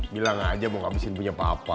bilang aja mau kehabisin punya papa